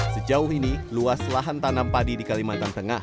sejauh ini luas lahan tanam padi di kalimantan tengah